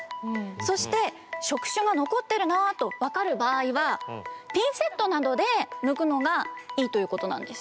そして触手が残ってるなあと分かる場合はピンセットなどで抜くのがいいということなんです。